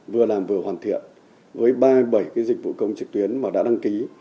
vừa làm vừa hoàn thiện với ba bảy dịch vụ công trực tuyến mà đã đăng ký